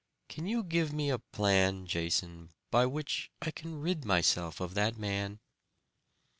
Can you give me a plan, Jason, by which I can rid myself of that man?"